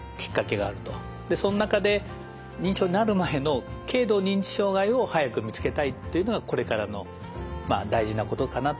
その中で認知症になる前の軽度認知障害を早く見つけたいというのがこれからの大事なことかなと思っています。